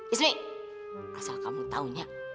ismi asal kamu taunya